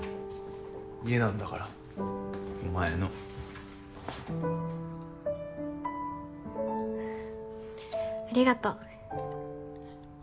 家なんだからお前の。ありがと。